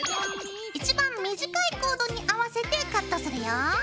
一番短いコードに合わせてカットするよ。